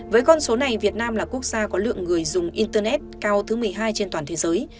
với con số này việt nam là quốc gia có lượng người dùng internet cao thứ một mươi hai trên toàn thế giới